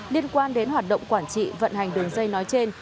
liên quan đến hoạt động quản trị vận hành đường dây nói trên